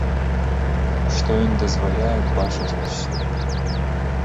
Што ён дазваляе бачыць усё.